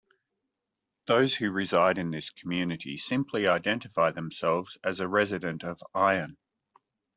Those who reside in this community simply identify themselves as a resident of "Iron".